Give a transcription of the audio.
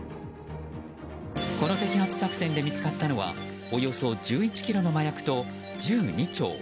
この摘発作戦で見つかったのはおよそ１１ｋｇの麻薬と銃２丁。